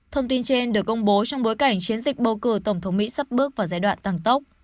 thông tin trên được công bố trong bối cảnh chiến dịch bầu cử tổng thống mỹ sắp bước vào giai đoạn tăng tốc